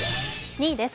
２位です。